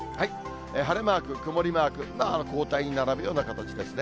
晴れマーク、曇りマーク、交代に並ぶような形ですね。